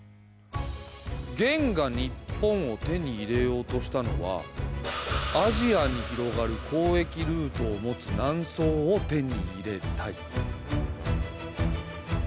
元が日本を手に入れようとしたのはアジアに広がる交易ルートを持つ南宋を手に入れたい。